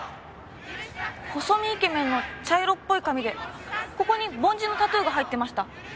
細身イケメンの茶色っぽい髪でここに梵字のタトゥーが入ってました。